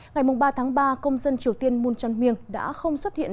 ngày ba tháng ba công dân triều tiên moon chun myung đã không xuất hiện